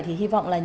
thì hy vọng là